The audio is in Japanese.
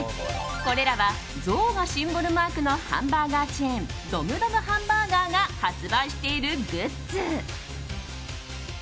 これらはゾウがシンボルマークのハンバーガーチェーンドムドムハンバーガーが発売しているグッズ。